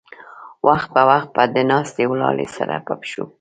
وخت پۀ وخت به د ناستې ولاړې سره پۀ پښو